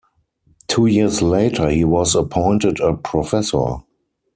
Two years later he was appointed a professor.